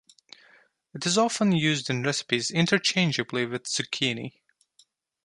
It is often used in recipes interchangeably with zucchini.